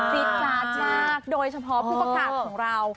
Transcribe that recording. ซีดจาดมากโดยเฉพาะผู้ประกาศของเรา